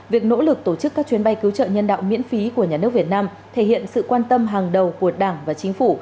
việc nỗ lực tổ chức các chuyến bay cứu trợ nhân đạo miễn phí của nhà nước việt nam thể hiện sự quan tâm hàng đầu của đảng và chính phủ